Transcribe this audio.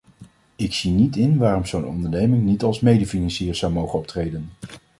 Ik zie niet in waarom zo'n onderneming niet als medefinancier zou mogen optreden.